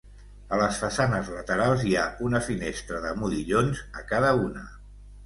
A les façanes laterals hi ha una finestra de modillons a cada una.